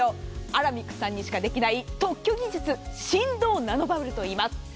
アラミックさんにしかできない特許技術、振動ナノバブルといいます。